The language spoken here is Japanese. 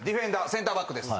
センターバックです。